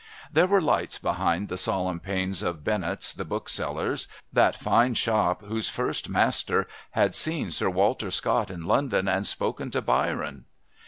There were lights behind the solemn panes of Bennett's the bookseller's, that fine shop whose first master had seen Sir Walter Scott in London and spoken to Byron.